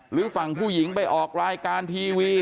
หรือฝั่งผู้หญิงไปออกรายการทีวี